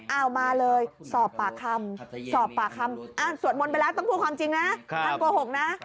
เอามาเลยสอบปากคำสอบปากคำสวดมนต์ไปแล้วต้องพูดความจริงนะท่านโกหกนะ